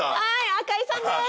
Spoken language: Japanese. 赤井さんです！